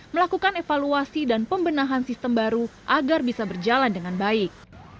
melakukan evaluasi dan pembenahan sistem baru agar bisa berjalan dengan baik